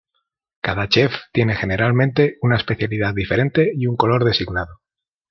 Cada chef tiene generalmente una especialidad diferente y un color designado.